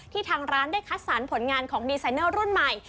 ทางร้านได้คัดสรรผลงานของดีไซเนอร์รุ่นใหม่